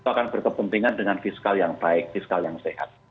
itu akan berkepentingan dengan fiskal yang baik fiskal yang sehat